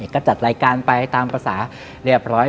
ก็จัดรายการไปตามภาษาเรียบร้อย